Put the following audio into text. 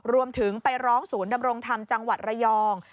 ไปร้องศูนย์ดำรงธรรมจังหวัดระยอง